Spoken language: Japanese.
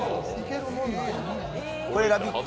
これを「ラヴィット！」